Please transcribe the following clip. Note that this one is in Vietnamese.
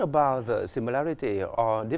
năm mới của tôi